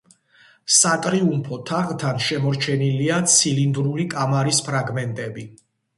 სატრიუმფო თაღთან შემორჩენილია ცილინდრული კამარის ფრაგმენტები.